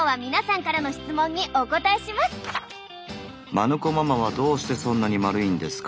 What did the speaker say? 「マヌ子ママはどうしてそんなに丸いんですか？」。